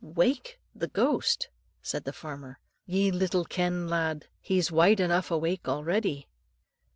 "Wake the ghost!" said the farmer, "ye little ken, lad. He's wide enough awake already."